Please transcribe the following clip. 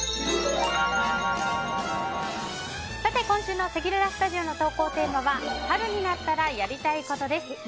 今週のせきららスタジオの投稿テーマは春になったらやりたいことです。